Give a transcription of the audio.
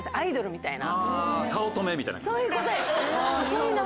みたいな。